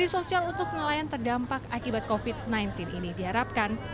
sosial untuk nelayan terdampak akibat covid sembilan belas ini diharapkan